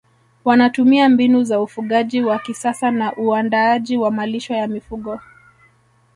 wanatumia mbinu za ufugaji wa kisasa na uandaaji wa malisho ya mifugo